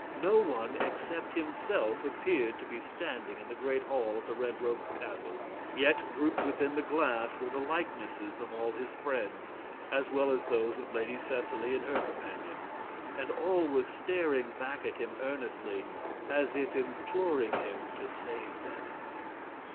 No one except himself appeared to be standing in the great hall of the Red Rogue's castle! Yet grouped within the glass were the likenesses of all his friends, as well as those of Lady Seseley and her companions; and all were staring back at him earnestly, as if imploring him to save them.